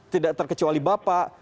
tidak terkecuali bapak